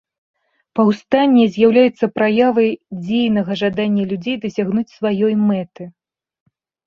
Паўстанне з'яўляецца праявай дзейнага жадання людзей дасягнуць сваёй мэты.